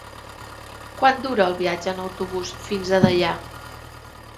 Quant dura el viatge en autobús fins a Deià?